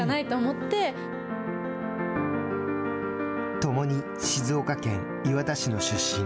共に静岡県磐田市の出身。